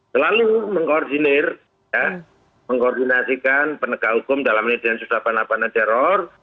selalu mengkoordinir mengkoordinasikan penegak hukum dalam nilai susah panah panah teror